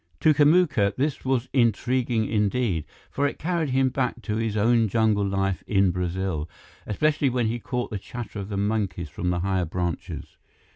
To Kamuka, this was intriguing indeed, for it carried him back to his own jungle life in Brazil, especially when he caught the chatter of the monkeys from the higher branches.